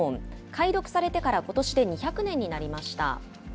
解読されてからことしで２００年になりました。